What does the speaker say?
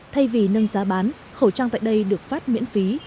thay vì nâng giá bán khẩu trang tại đây được phát miễn phí